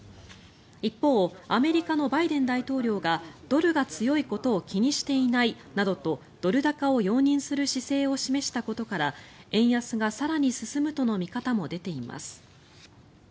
一方アメリカのバイデン大統領がドルが強いことを気にしていないなどとドル高を容認する姿勢を示したことから円安が更に進むとの見方も出ています。